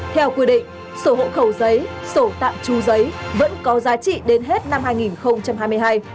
theo quy định sổ hộ khẩu giấy sổ tạm tru giấy vẫn có giá trị đến hết năm hai nghìn hai mươi hai